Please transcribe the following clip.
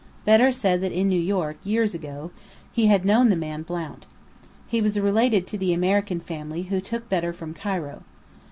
Bedr said that in New York, years ago, he had known the man "Blount." He was related to the American family who took Bedr from Cairo.